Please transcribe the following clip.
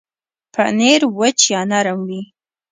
پنېر وچ یا نرم وي.